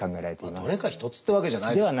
どれか一つってわけじゃないですもんね。